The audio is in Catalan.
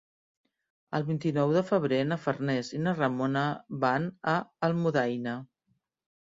El vint-i-nou de febrer na Farners i na Ramona van a Almudaina.